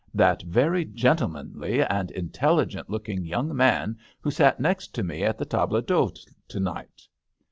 " That very gentlemanly and intelligent looking young man who sat next to me at the table d'hote to night."